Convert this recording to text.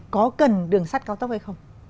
có cần đường sắt cao tốc hay không